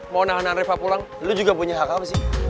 mau nahanan reva pulang lu juga punya hak apa sih